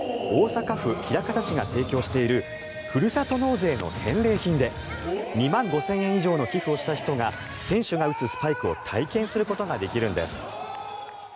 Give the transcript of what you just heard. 大阪府枚方市が提供しているふるさと納税の返礼品で２万５０００円以上の寄付をした人が選手が打つスパイクを体験することができるんです。